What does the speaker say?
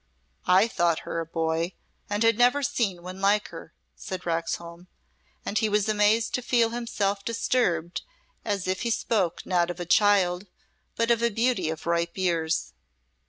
"I thought her a boy, and had never seen one like her," said Roxholm, and he was amazed to feel himself disturbed as if he spoke not of a child, but of a beauty of ripe years.